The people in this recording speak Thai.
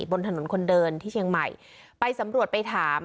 บนถนนคนเดินที่เชียงใหม่ไปสำรวจไปถาม